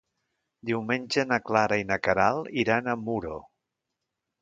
Diumenge na Clara i na Queralt iran a Muro.